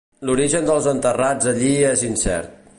L'origen dels enterrats allí és incert.